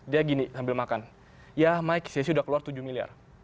dia gini sambil makan ya maik saya sih udah keluar tujuh miliar